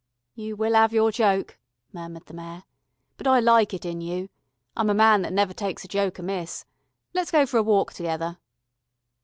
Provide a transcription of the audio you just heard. "You will 'ave your joke," murmured the Mayor. "But I like it in you. I'm a man that never takes a joke amiss. Let's go for a walk together."